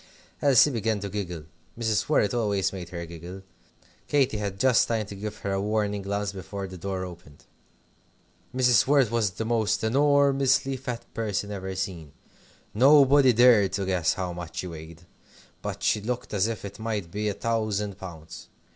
Elsie began to giggle. Mrs. Worrett always made her giggle. Katy had just time to give her a warning glance before the door opened. Mrs. Worrett was the most enormously fat person ever seen. Nobody dared to guess how much she weighed, but she looked as if it might be a thousand pounds.